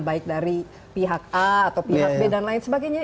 baik dari pihak a atau pihak b dan lain sebagainya